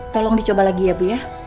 tolong dicoba lagi ya bu ya